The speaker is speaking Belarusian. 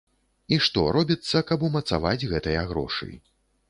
І што робіцца, каб умацаваць гэтыя грошы?